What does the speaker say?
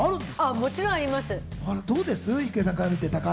もちろんあります。